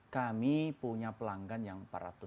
kami punya pelanggan yang empat ratus lima puluh